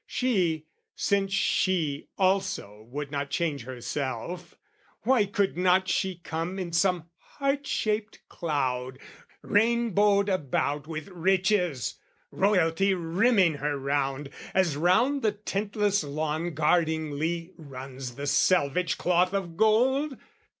She, since she, also, would not change herself, Why could not she come in some heart shaped cloud, Rainbowed about with riches, royalty Rimming her round, as round the tintless lawn Guardingly runs the selvage cloth of gold?